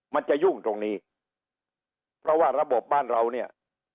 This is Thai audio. มันจะยุ่งตรงนี้เพราะว่าระบบบ้านเราเนี่ย